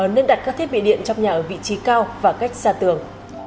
nên đặt các thiết bị điện trong nhà ở vị trí cao và cách xa tường